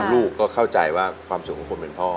ลูกก็เข้าใจว่าความสุขของคนเป็นพ่อ